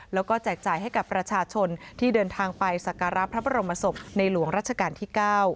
แล้วก็แจกจ่ายให้กับประชาชนที่เดินทางไปสักการะพระบรมศพในหลวงรัชกาลที่๙